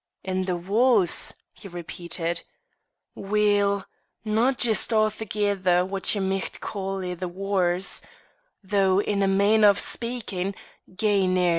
"In the wars!" he repeated. "Weel no jist a'thegether what ye micht call i' the wars though in a mainner o' speakin', gey near't.